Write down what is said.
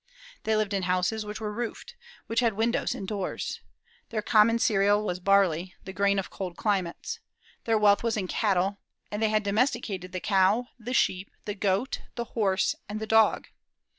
They lived in houses which were roofed, which had windows and doors. Their common cereal was barley, the grain of cold climates. Their wealth was in cattle, and they had domesticated the cow, the sheep, the goat, the horse, and the dog.